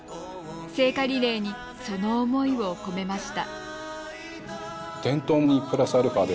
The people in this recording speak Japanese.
聖火リレーにその思いを込めました。